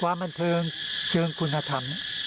ความบันเทิงเชิงคุณธรรม